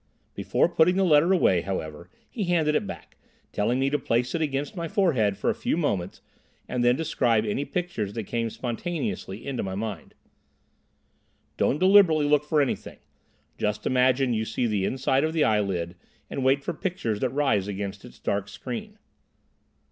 Before putting the letter away, however, he handed it back, telling me to place it against my forehead for a few moments and then describe any pictures that came spontaneously into my mind. "Don't deliberately look for anything. Just imagine you see the inside of the eyelid, and wait for pictures that rise against its dark screen."